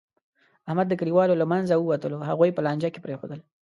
احمد د کلیوالو له منځه ووتلو، هغوی په لانجه کې پرېښودل.